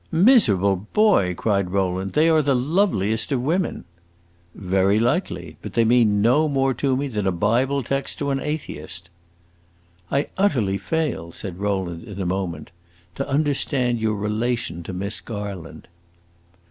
"Miserable boy!" cried Rowland. "They are the loveliest of women!" "Very likely! But they mean no more to me than a Bible text to an atheist!" "I utterly fail," said Rowland, in a moment, "to understand your relation to Miss Garland."